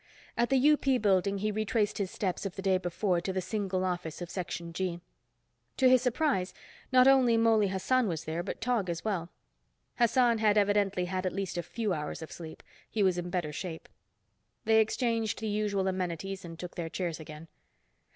At the UP building he retraced his steps of the day before to the single office of Section G. To his surprise, not only Mouley Hassan was there, but Tog as well. Hassan had evidently had at least a few hours of sleep. He was in better shape. They exchanged the usual amenities and took their chairs again.